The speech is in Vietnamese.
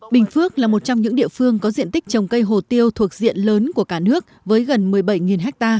bình phước là một trong những địa phương có diện tích trồng cây hồ tiêu thuộc diện lớn của cả nước với gần một mươi bảy ha